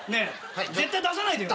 絶対出さないでよ？